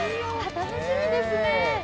楽しみですね。